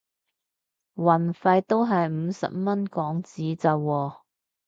運費都係五十蚊港紙咋喎